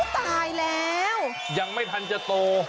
ตายแล้วยังไม่ทันจะโต